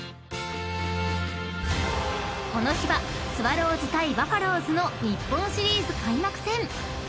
［この日はスワローズ対バファローズの日本シリーズ開幕戦］